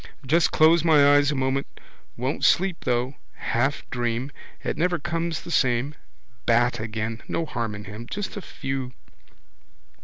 Just close my eyes a moment. Won't sleep, though. Half dream. It never comes the same. Bat again. No harm in him. Just a few.